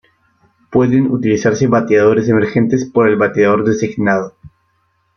Pueden utilizarse bateadores emergentes por el Bateador Designado.